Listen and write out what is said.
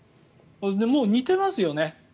もう似ていますよね。